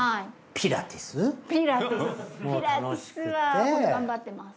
ピラティスは頑張ってます。